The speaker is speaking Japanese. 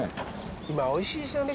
今おいしいですよね